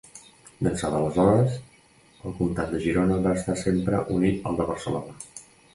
D'ençà d'aleshores, el comtat de Girona va estar sempre unit al de Barcelona.